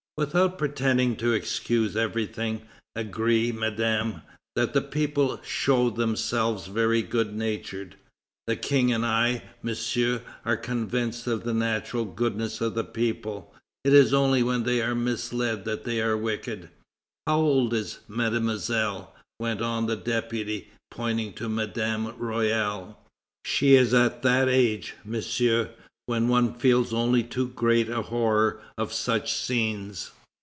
"Without pretending to excuse everything, agree, Madame, that the people showed themselves very good natured." "The King and I, Monsieur, are convinced of the natural goodness of the people; it is only when they are misled that they are wicked." "How old is Mademoiselle?" went on the deputy, pointing to Madame Royale. "She is at that age, Monsieur, when one feels only too great a horror of such scenes."